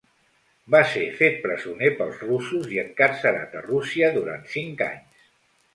Va ser fet presoner pels russos i encarcerat a Rússia durant cinc anys.